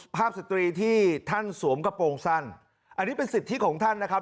สตรีที่ท่านสวมกระโปรงสั้นอันนี้เป็นสิทธิของท่านนะครับ